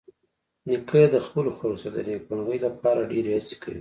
نیکه د خپلو خلکو سره د نیکمرغۍ لپاره ډېرې هڅې کوي.